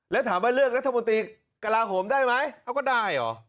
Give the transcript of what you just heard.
แล้วถามว่าเลือกรัฐมนตรีกระลาโหมได้ไหมเอาก็ได้เหรอ